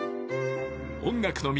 音楽の都